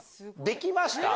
できました。